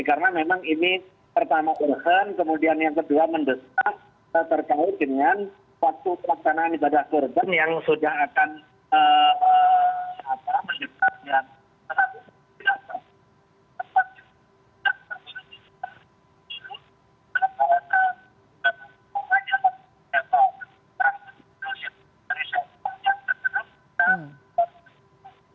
karena memang ini pertama urgen kemudian yang kedua mendesak terkait dengan waktu peraksanaan ibadah kurden yang sudah akan menyebabkan penabuhan